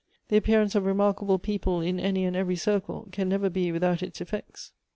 The appearance of remarkable people, in any and every circle, can never be without its efiects.